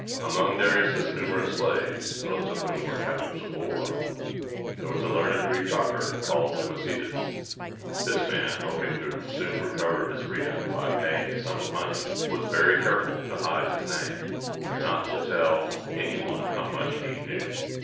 Among Darius' numerous slaves, most of whom were captives of war, there was a learned Greek doctor called Dem o ce´des. This man, hoping soon to recover his freedom by paying a sum of money, was very careful to hide his name, and not to tell any one how much he knew.